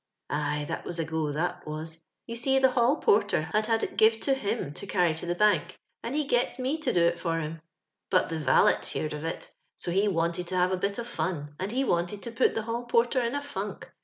" Aye, that was a go — that was ! You see the hall porter had had it give to him to carry to the bank, and ho gets me to do it for him ; but the vallct hoerd of it, so he wanted to have a bit of fun, and he wanted to put the haB porter in a funk.